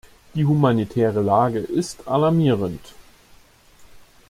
Die humanitäre Lage ist alarmierend.